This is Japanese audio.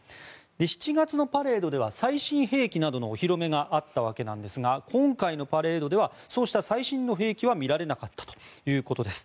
７月のパレードでは最新兵器などのお披露目があったわけなんですが今回のパレードではそうした最新の兵器は見られなかったということです。